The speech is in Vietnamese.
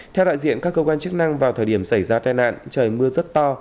theo đại diện các cơ quan chức năng vào thời điểm xảy ra tai nạn trời mưa rất to